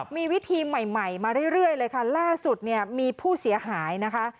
มีวิธีใหม่ใหม่มาเรื่อยเลยค่ะล่าสุดเนี่ยมีผู้เสียหายนะคะ